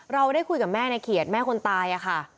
เราได้คุยกับแม่ในเขียดแม่คนตายค่ะ